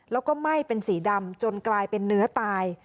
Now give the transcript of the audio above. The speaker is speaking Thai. แล้วก็ไหม้เป็นสีดำจนกลายเป็นเนื้อตาย